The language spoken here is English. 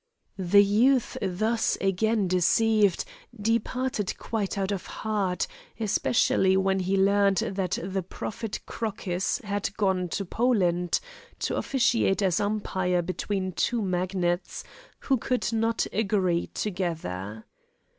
The youth thus again deceived, departed quite out of heart, especially when he learned that the prophet Crocus had gone to Poland, to officiate as umpire between some Magnates, who could not agree together.